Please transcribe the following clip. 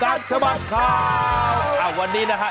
นาดีกากามีนอาจากาผมก็มีเหมือนกัน